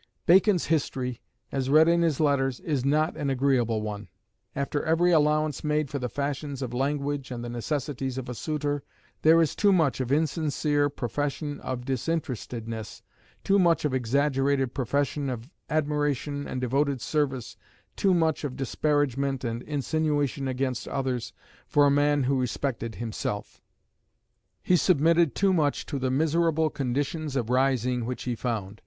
Bacon's history, as read in his letters, is not an agreeable one; after every allowance made for the fashions of language and the necessities of a suitor, there is too much of insincere profession of disinterestedness, too much of exaggerated profession of admiration and devoted service, too much of disparagement and insinuation against others, for a man who respected himself. He submitted too much to the miserable conditions of rising which he found.